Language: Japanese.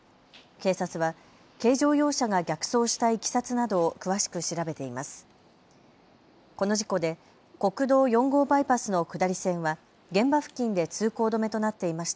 警察は軽乗用車が逆走したいきさつなどを詳しく調べています。